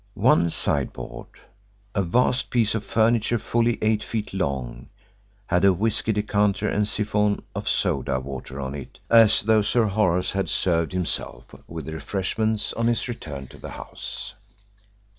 One sideboard, a vast piece of furniture fully eight feet long, had a whisky decanter and siphon of soda water on it, as though Sir Horace had served himself with refreshments on his return to the house.